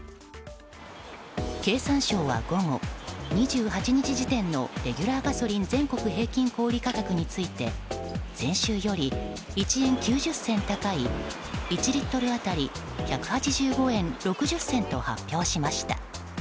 経産省は午後２８日時点のレギュラーガソリン全国平均小売価格について先週より１円９０銭高い１リットル当たり１８５円６０銭と発表しました。